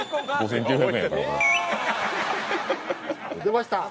出ました。